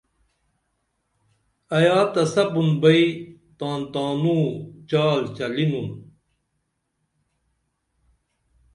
ایا تہ سپُن بئی تان تانوں چال چلینُن